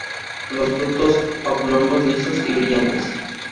Los frutos oblongos, lisos y brillantes.